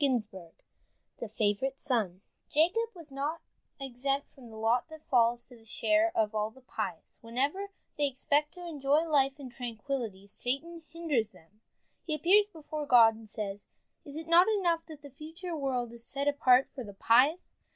I JOSEPH THE FAVORITE SON Jacob was not exempt from the lot that falls to the share of all the pious. Whenever they expect to enjoy life in tranquillity, Satan hinders them. He appears before God, and says: "Is it not enough that the future world is set apart for the pious?